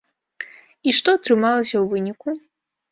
І што атрымалася ў выніку?